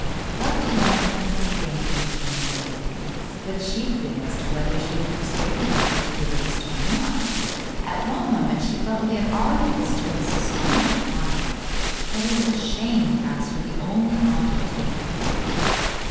Left alone, the princess began to think of many things, but chiefly as to whether she would persuade her husband to give her the stone or not. At one moment she felt he had already bestowed so much upon her that it was a shame to ask for the only object he had kept back.